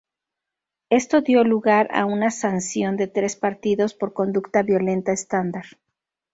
Esto dio lugar a una sanción de tres partidos por conducta violenta estándar.